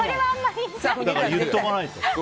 言っとかないと。